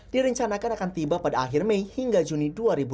direncanakan akan tiba pada akhir mei hingga juni dua ribu dua puluh